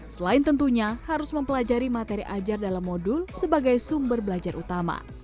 selain tentunya harus mempelajari materi ajar dalam modul sebagai sumber belajar utama